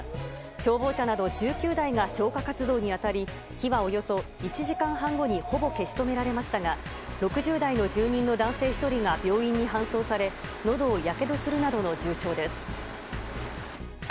消防車など１９台が消火活動に当たり火は、およそ１時間半後にほぼ消し止められましたが６０代の住人の男性１人が病院に搬送されのどをやけどするなどの重傷です。